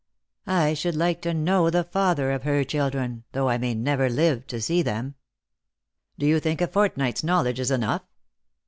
I should like to know the father of her children, though I may never live to see them." " Do you think a fortnight's knowledge is enough